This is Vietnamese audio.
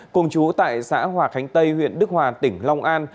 cùng chú tại xã hòa khánh tây huyện đức hòa tỉnh long an